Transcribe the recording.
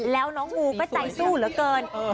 แล้วน้องงูประใจสู้เหล่างี้